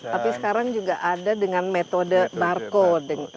tapi sekarang juga ada dengan metode barcode